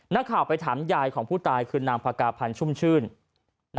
นักข่าวไปถามยายของผู้ตายคือนางพากาพันธ์ชุ่มชื่น